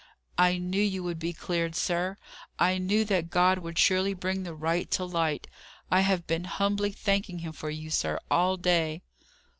"I knew you would be cleared, sir! I knew that God would surely bring the right to light! I have been humbly thanking Him for you, sir, all day."